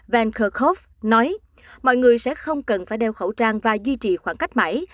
van kerkhove nói mọi người sẽ không cần phải đeo khẩu trang và duy trì khoảng cách mảy